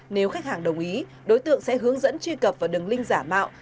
nếu khách hàng đồng ý đối tượng sẽ hướng dẫn truy cập vào đường link giả mạo